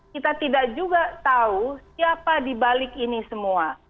kita tidak juga tahu siapa dibalik ini semua